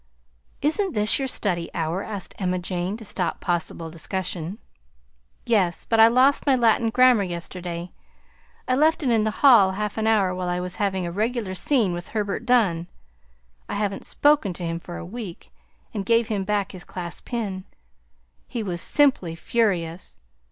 "Isn't this your study hour?" asked Emma Jane, to stop possible discussion. "Yes, but I lost my Latin grammar yesterday; I left it in the hall half an hour while I was having a regular scene with Herbert Dunn. I haven't spoken to him for a week and gave him back his class pin. He was simply furious.